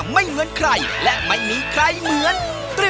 เดี๋ยวครับผมมีคนมองแล้วเว้ย